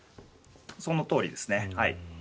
そのとおりです。